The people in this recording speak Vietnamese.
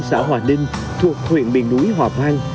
xã hòa ninh thuộc huyện biển núi hòa hoang